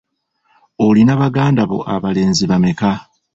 Olina baganda bo abalenzi bameka?